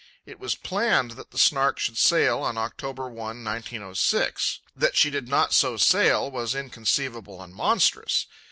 It was planned that the Snark should sail on October 1, 1906. That she did not so sail was inconceivable and monstrous.